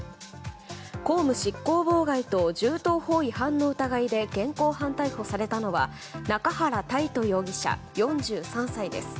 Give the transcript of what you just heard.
公務執行妨害と銃刀法違反の疑いで現行犯逮捕されたのは中原泰斗容疑者、４３歳です。